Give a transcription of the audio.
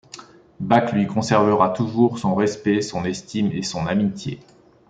Bach lui conservera toujours son respect, son estime et son amitié.